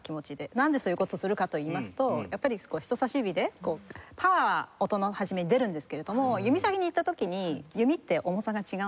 なんでそういう事をするかといいますとやっぱり人さし指でパワーは音の初めに出るんですけれども弓先に行った時に弓って重さが違うんですね。